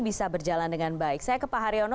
bisa berjalan dengan baik saya ke pak haryono